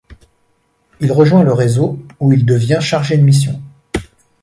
Il rejoint le réseau où il devient chargé de mission.